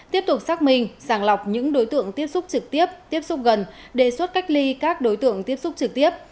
tiếp tục xác minh sàng lọc những đối tượng tiếp xúc trực tiếp tiếp xúc gần đề xuất cách ly các đối tượng tiếp xúc trực tiếp